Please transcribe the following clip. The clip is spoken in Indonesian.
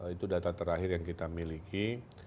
itu data terakhir yang kita miliki